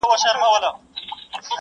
ګل سرخ ته تر مزاره چي رانه سې `